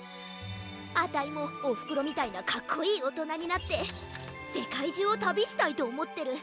あたいもおふくろみたいなかっこいいおとなになってせかいじゅうをたびしたいとおもってる。